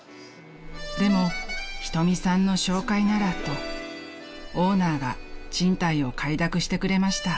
［でも瞳さんの紹介ならとオーナーが賃貸を快諾してくれました］